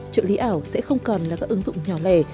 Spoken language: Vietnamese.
trợ lý ảo sẽ không còn là các ứng dụng nhỏ lẻ